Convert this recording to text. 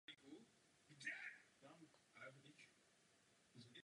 Vystudoval vyšší reálku v Hradci Králové a pak českou techniku v Praze.